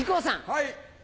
はい。